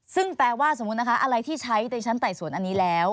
ซึ่งแปลว่าสมมุตินะคะอะไรที่ใช้ในชั้นไต่สวนอันนี้แล้ว